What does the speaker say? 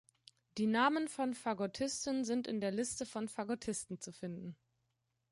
Die Namen von Fagottisten sind in der Liste von Fagottisten zu finden.